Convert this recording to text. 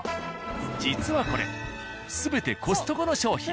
実はこれ全て「コストコ」の商品。